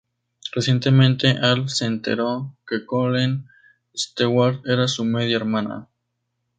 Recientemente Alf se enteró que Colleen Stewart era su media hermana.